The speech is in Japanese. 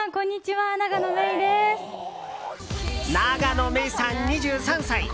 永野芽郁さん、２３歳。